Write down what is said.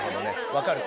分かる。